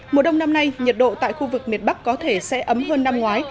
mùa đông năm nay nhiệt độ tại khu vực miền bắc có thể sẽ ấm hơn năm ngoái